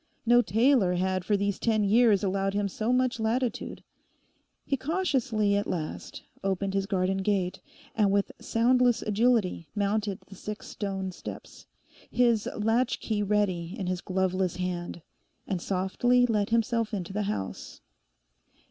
No tailor had for these ten years allowed him so much latitude. He cautiously at last opened his garden gate and with soundless agility mounted the six stone steps, his latch key ready in his gloveless hand, and softly let himself into the house.